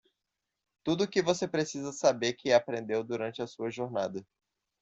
Tudo o que você precisa saber que aprendeu durante a sua jornada.